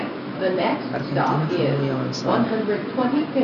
Argentina fue muy avanzada.